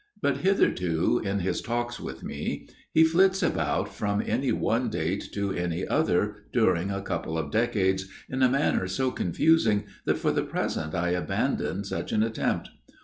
But hitherto, in his talks with me, he flits about from any one date to any other during a couple of decades, in a manner so confusing that for the present I abandon such an attempt.